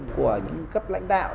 của những cấp lãnh đạo